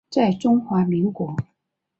在中华民国。